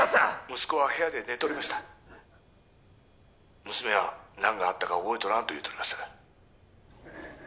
息子は部屋で寝とりました娘は何があったか覚えとらんと言うとります